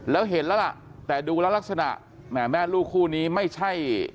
แล้วเห็นแล้วล่ะแต่ดูแล้วลักษณะแหมแม่ลูกคู่นี้ไม่ใช่